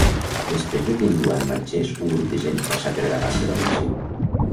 Després de que en Joan marxés, un grup de gent passa per davant de la mansió.